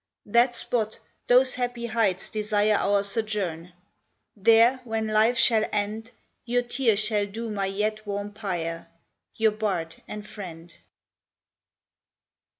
That spot, those happy heights desire Our sojourn; there, when life shall end, Your tear shall dew my yet warm pyre, Your bard and friend.